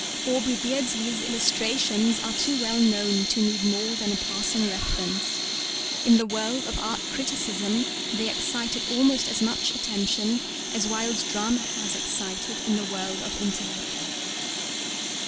Aubrey Beardsley's illustrations are too well known to need more than a passing reference. In the world of art criticism they excited almost as much attention as Wilde's drama has excited in the world of intellect.